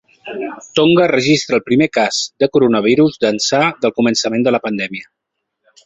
Tonga registra el primer cas de coronavirus d’ençà del començament de la pandèmia.